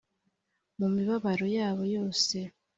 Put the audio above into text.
mu mibabaro yabo yose.